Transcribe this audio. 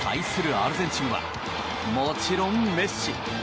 アルゼンチンはもちろんメッシ。